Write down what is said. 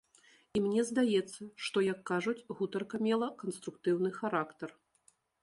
І мне здаецца, што, як кажуць, гутарка мела канструктыўны характар.